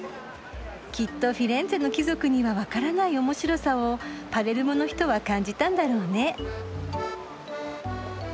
きっとフィレンツェの貴族には分からない面白さをパレルモの人は感じたんだろうね。